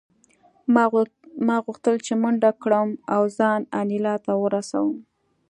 ما غوښتل چې منډه کړم او ځان انیلا ته ورسوم